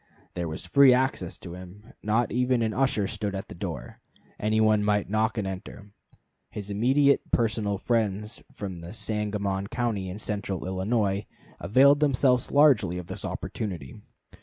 There was free access to him; not even an usher stood at the door; any one might knock and enter. His immediate personal friends from Sangamon County and central Illinois availed themselves largely of this opportunity.